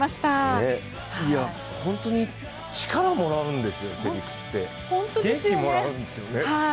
本当に力をもらうんですよ、世陸って、元気をもらうんですよね。